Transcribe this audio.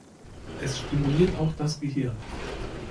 Es stimuliert auch das Gehirn.